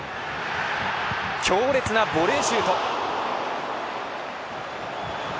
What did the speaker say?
強烈なボレーシュート。